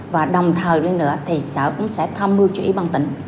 và đồng thời lên nữa thì sở cũng sẽ tham mưu cho ủy ban tỉnh